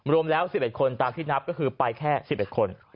รวมแล้วสิบเอ็ดคนตามที่นับก็คือไปแค่สิบเอ็ดคน